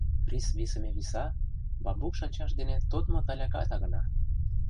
Рис висыме виса — бамбук шанчаш дене тодмо таляка тагына.